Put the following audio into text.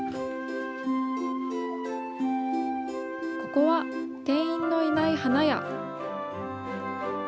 ここは店員のいない花屋。